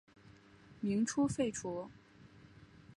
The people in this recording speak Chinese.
民初废除。